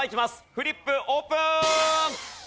フリップオープン！